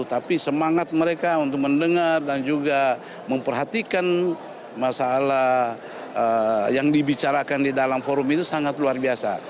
tapi semangat mereka untuk mendengar dan juga memperhatikan masalah yang dibicarakan di dalam forum itu sangat luar biasa